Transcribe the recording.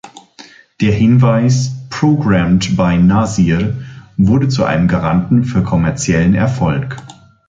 Der Hinweis "Programmed by Nasir" wurde zu einem Garanten für kommerziellen Erfolg.